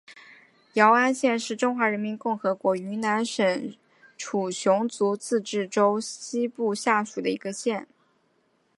姚安县是中华人民共和国云南省楚雄彝族自治州西部下属的一个县。